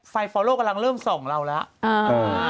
ฟอลโลกำลังเริ่มส่องเราแล้ว